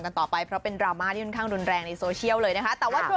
ต้องใช้เวลาเพราะว่าจะให้คนลืมเลยมันก็เป็นไปไม่ได้